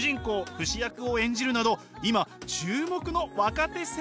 フシ役を演じるなど今注目の若手声優です。